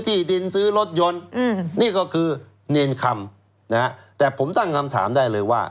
ที่ดินซื้อรถยนต์นี่ก็คือเนรคำนะฮะแต่ผมตั้งคำถามได้เลยว่า